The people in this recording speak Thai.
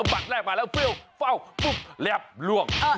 บัตรแรกมาแล้วเปรี้ยวฟ่าวปุ๊บแล้วล่วง